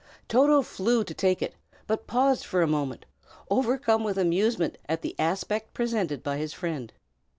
Toto flew to take it, but paused for a moment, overcome with amusement at the aspect presented by his friend.